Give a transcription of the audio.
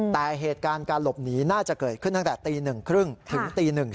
แต่เหตุการณ์การหลบหนีน่าจะเกิดขึ้นตั้งแต่ตี๑๓๐ถึงตี๑๔